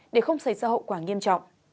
để không xây dựa hậu quả nghiêm trọng